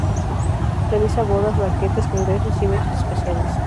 Realiza bodas, banquetes, congresos y eventos especiales.